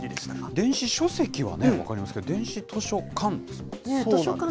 電子書籍は分かりますけど、電子図書館ですか。